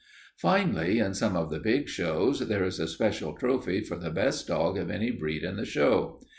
Finally, in some of the big shows, there is a special trophy for the best dog of any breed in the show.